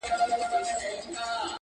د مرور روح د پخلا وجود کانې دي ته!!